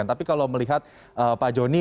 yang diberikan tapi kalau melihat pak joni